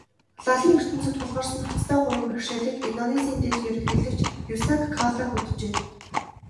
Лалын ертөнцөд тулгарсан ноцтой гурван бэрхшээлийг Индонезийн дэд ерөнхийлөгч Юсуф Калла хөнджээ.